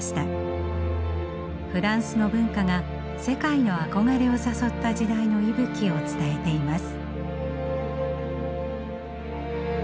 フランスの文化が世界の憧れを誘った時代の息吹を伝えています。